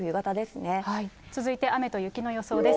続いて雨と雪の予想です。